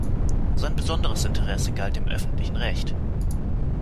Sein besonderes Interesse galt dem Öffentlichen Recht.